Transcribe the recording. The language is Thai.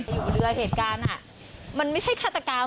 อยู่บนเรือเหตุการณ์มันไม่ใช่ฆาตกรรม